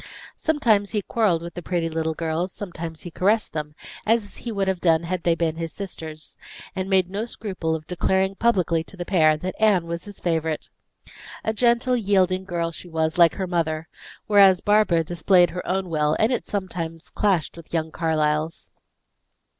Sometimes he quarreled with the pretty little girls, sometimes he caressed them, as he would have done had they been his sisters; and he made no scruple of declaring publicly to the pair that Anne was his favorite. A gentle, yielding girl she was, like her mother; whereas Barbara displayed her own will, and it sometimes clashed with young Carlyle's.